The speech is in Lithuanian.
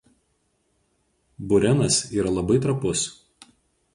Burenas yra labai trapus.